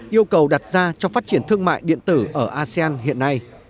yêu cầu đặt ra trong phát triển thương mại điện tử ở asean hiện nay